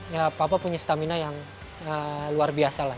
ya papa punya stamina yang luar biasa lah